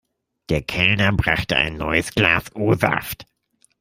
Der Kellner brachte ein neues Glas O-Saft.